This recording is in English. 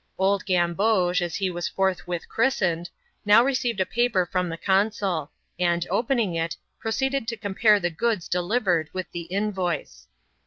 Old Gamboge, as he was forthwith christened, now received a paper from the consul ; and, opening it, proceeded to compare the goods delivered with the invoice.